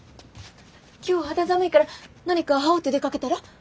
今日肌寒いから何か羽織って出かけたら。